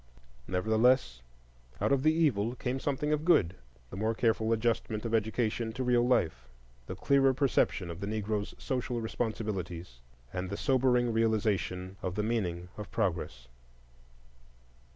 Nevertheless, out of the evil came something of good,—the more careful adjustment of education to real life, the clearer perception of the Negroes' social responsibilities, and the sobering realization of the meaning of progress.